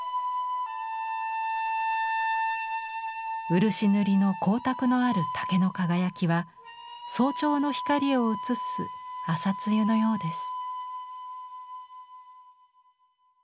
漆塗りの光沢のある竹の輝きは早朝の光をうつす朝露のようです。